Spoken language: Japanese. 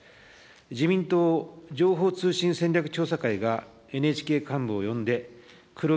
自民党情報通信戦略調査会が、ＮＨＫ幹部を呼んでクロ